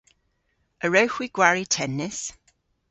A wrewgh hwi gwari tennis?